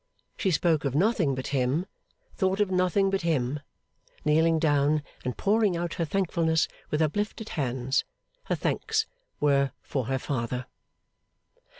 She spoke of nothing but him, thought of nothing but him. Kneeling down and pouring out her thankfulness with uplifted hands, her thanks were for her father.